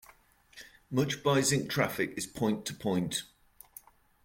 Much Bisync traffic is point-to-point.